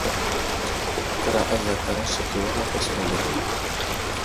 Kəra azakara sek i awak a kwaakwa ge.